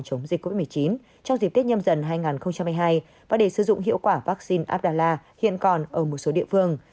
covid một mươi chín trong dịp tết nhâm dần hai nghìn hai mươi hai và để sử dụng hiệu quả vắc xin adela hiện còn ở một số địa phương